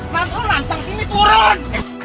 nantang nantang sini turun